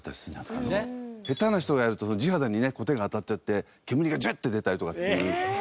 下手な人がやると地肌にねコテが当たっちゃって煙がジュッて出たりとかっていうそんな時代。